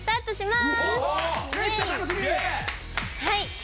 はい！